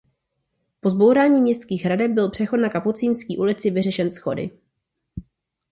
Po zbourání městských hradeb byl přechod na kapucínský ulici vyřešen schody.